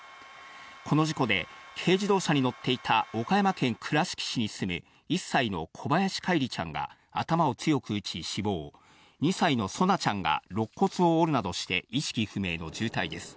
この事故で軽自動車に乗っていた岡山県倉敷市に住む１歳の小林叶一里ちゃんが頭を強く打ち死亡、２歳の蒼菜ちゃんが肋骨を折るなどして意識不明の重体です。